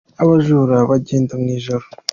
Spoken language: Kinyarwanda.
abajuru bajyenda mwijoro